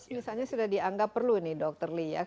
nah kalau misalnya sudah dianggap perlu nih dokter lee